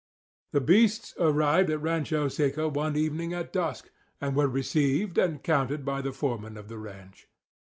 The beasts arrived at Rancho Seco one evening at dusk; and were received and counted by the foreman of the ranch.